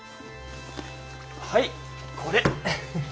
はいこれ。